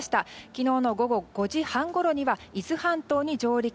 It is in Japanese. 昨日の午後５時半ごろには伊豆半島に上陸。